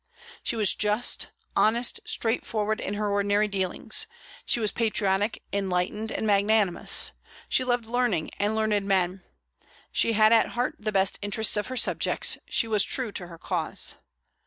She was just, honest, and straightforward in her ordinary dealings; she was patriotic, enlightened, and magnanimous; she loved learning and learned men; she had at heart the best interests of her subjects; she was true to her cause.